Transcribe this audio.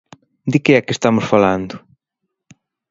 ¿De que é que estamos falando?